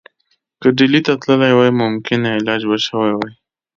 که ډهلي ته تللی وای ممکن علاج به شوی وای.